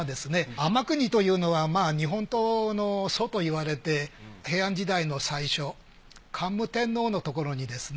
天國というのは日本刀の祖といわれて平安時代の最初桓武天皇のところにですね